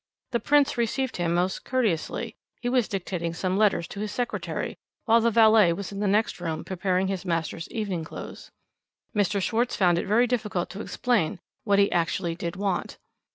The Prince received him most courteously; he was dictating some letters to his secretary, while the valet was in the next room preparing his master's evening clothes. Mr. Schwarz found it very difficult to explain what he actually did want.